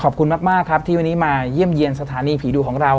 ขอบคุณมากครับที่วันนี้มาเยี่ยมเยี่ยมสถานีผีดุของเรา